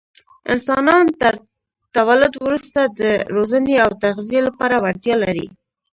انسانان تر تولد وروسته د روزنې او تغذیې لپاره وړتیا لري.